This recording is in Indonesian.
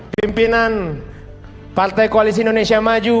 pimpinan partai koalisi indonesia maju